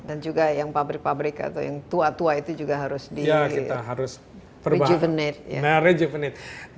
dan juga yang pabrik pabrik atau yang tua tua itu juga harus di rejuvenate